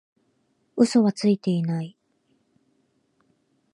嘘はついてない